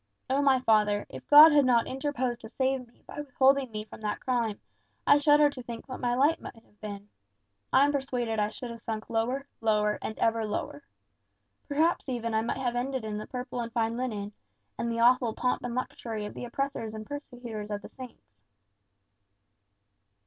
O my father, if God had not interposed to save me by withholding me from that crime, I shudder to think what my life might have been. I am persuaded I should have sunk lower, lower, and ever lower. Perhaps, even, I might have ended in the purple and fine linen, and the awful pomp and luxury of the oppressors and persecutors of the saints."